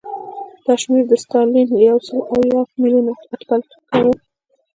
دا شمېر د ستالین له یو سل اویا میلیونه اټکل څخه کم و